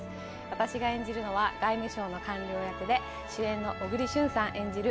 私が演じるのは外務省の官僚役で主演の小栗旬さん演じる